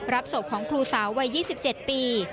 ศพของครูสาววัย๒๗ปี